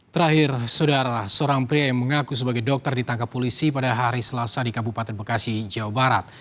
terakhir saudara seorang pria yang mengaku sebagai dokter ditangkap polisi pada hari selasa di kabupaten bekasi jawa barat